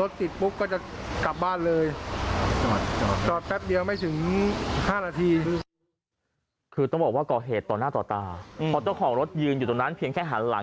รถคุณลุงไงครับ